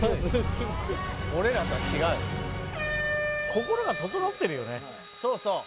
心が整ってるよね